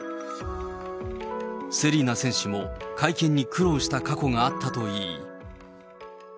セリーナ選手も、会見に苦労した過去があったといい。